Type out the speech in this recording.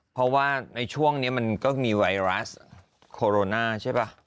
เพราะว่าในช่วงนี้มันก็มีไวรัสโคโรนาใช่ป่ะ